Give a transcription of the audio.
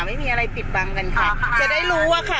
ไม่มีอะไรปิดบังกันค่ะจะได้รู้ว่าค่ะ